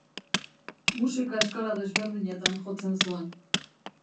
Musika eskala desberdinetan jotzen zuen.